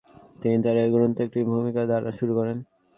তিনি তার এ গ্রন্থটি একটি ভূমিকা দ্বারা শুরু করেন।